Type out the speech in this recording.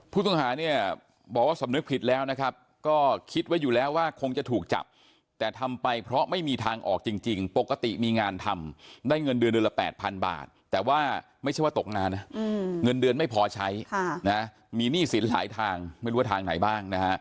ผู้ต้องหาเนี่ยบอกว่าสำนึกผิดแล้วนะครับก็คิดไว้อยู่แล้วว่าคงจะถูกจับแต่ทำไปเพราะไม่มีทางออกจริงปกติมีงานทำได้เงินเดือนเดือนละ๘๐๐๐บาทแต่ว่าไม่ใช่ว่าตกงานนะเงินเดือนไม่พอใช้มีหนี้สินหลายทางไม่รู้ว่าทางไหนบ้างนะฮะ